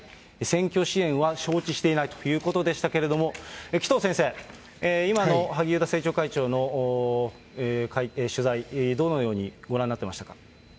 選挙支援は承知していないということでしたけれども、紀藤先生、今の萩生田政調会長の取材、どのようにご覧になってましたか？